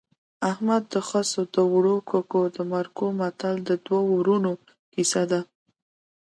احمد د خسو د اوړو ککو د مرکو متل د دوو ورونو کیسه ده